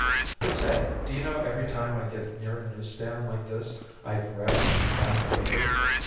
But say, do you know every time I get near a news stand like this I grab the home town paper.